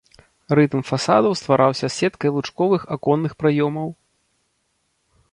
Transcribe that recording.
Рытм фасадаў ствараўся сеткай лучковых аконных праёмаў.